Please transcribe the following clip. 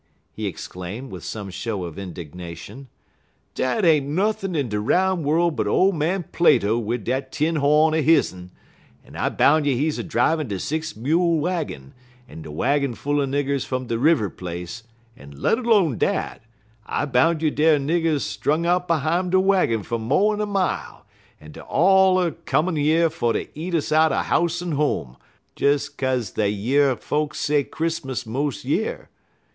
he exclaimed, with some show of indignation. "Dat ain't nothin' in de roun' worl' but ole man Plato wid dat tin hawn er his'n, en I boun' you he's a drivin' de six mule waggin, en de waggin full er niggers fum de River place, en let 'lone dat, I boun' you deyer niggers strung out behime de waggin fer mo'n a mile, en deyer all er comin' yer fer ter eat us all out'n house en home, des 'kaze dey year folks say Chris'mus mos' yer.